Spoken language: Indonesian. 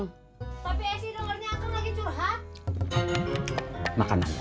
tapi esy dengernya ah kang lagi curhat